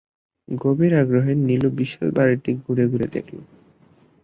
গভীর আগ্রহে নীলু বিশাল বাড়িটি ঘুরে-ঘুরে দেখল।